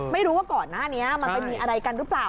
ไม่รู้ว่าก่อนหน้านี้มันไปมีอะไรกันหรือเปล่า